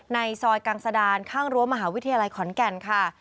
ในซอยกังสดานข้างรั้วมหาวิทยาลัยขอนแก่นค่ะ